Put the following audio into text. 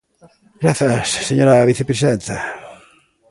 Grazas, señora vicepresidenta.